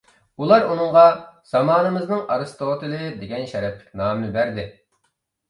ئۇلار ئۇنىڭغا «زامانىمىزنىڭ ئارستوتىلى» دېگەن شەرەپلىك نامنى بەردى.